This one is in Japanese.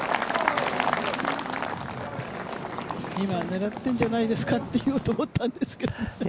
今狙ってるんじゃないですかと言おうと思ったんですけど。